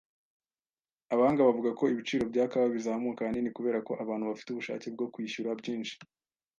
Abahanga bavuga ko ibiciro bya kawa bizamuka ahanini kubera ko abantu bafite ubushake bwo kwishyura byinshi.